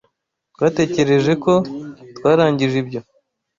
Twatekereje ko twarangije ibyo.